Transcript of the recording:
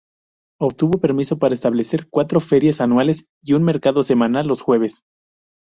Obtuvo permiso para establecer cuatro ferias anuales y un mercado semanal los jueves.